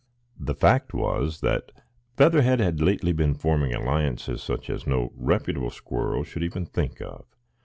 The fact was that Featherhead had lately been forming alliances such as no reputable squirrel should even think of.